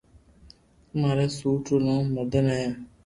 ماري سوٽ رو نوم مدن ھي